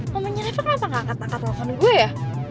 momennya apa kenapa ga kata angkat lo kan gue ya